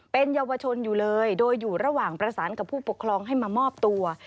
เป็นเยาวชนอยู่เลยโดยอยู่ระหว่างประสานกับผู้ปกครองให้มามอบตัว